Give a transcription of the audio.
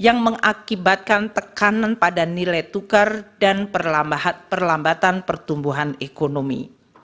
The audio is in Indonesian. yang mengakibatkan tekanan pada nilai tukar dan perlambatan pertumbuhan ekonomi